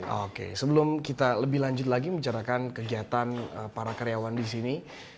oke sebelum kita lebih lanjut lagi menceritakan kegiatan para karyawan di sini